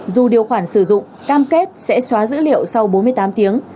dù điều khoản sử dụng cam kết sẽ xóa dữ liệu sau bốn mươi tám tiếng